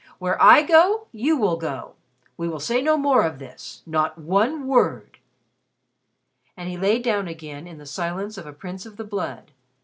Where I go, you will go. We will say no more of this not one word." And he lay down again in the silence of a prince of the blood.